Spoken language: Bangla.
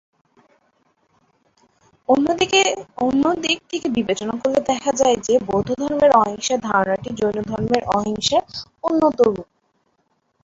অন্যদিক থেকে বিবেচনা করলে দেখা যায় যে, বৌদ্ধধর্মের অহিংসার ধারণাটি জৈনধর্মের অহিংসার উন্নতরূপ।